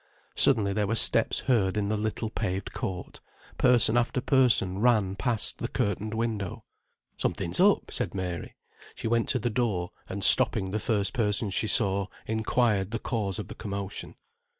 Suddenly there were steps heard in the little paved court; person after person ran past the curtained window. "Something's up," said Mary. She went to the door and stopping the first person she saw, inquired the cause of the commotion.